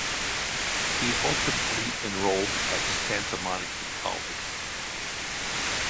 He ultimately enrolled at Santa Monica College.